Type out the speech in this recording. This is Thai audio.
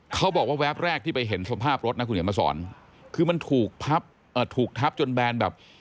เขาบอกว่าแวบแรกที่ไปเห็นสภาพรถนะคุณเห็นมาสอนคือมันถูกพับถูกทับจนแบนแบบ